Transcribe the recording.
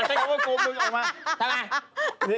ทำไม